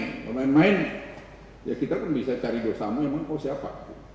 kalau main main ya kita kan bisa cari dosamu emang oh siapa